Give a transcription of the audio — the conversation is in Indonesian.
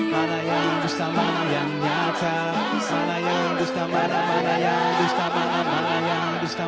mana yang justa mana yang nyata